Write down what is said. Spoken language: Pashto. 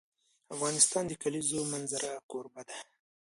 افغانستان د د کلیزو منظره کوربه دی.